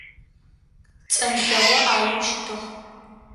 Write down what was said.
Цӏэнлъэгъо ӏаеу щытыгъ.